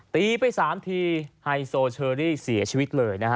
ตีไป๓ทีไฮโซเชอรี่เสียชีวิตเลยนะฮะ